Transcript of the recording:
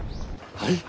はい。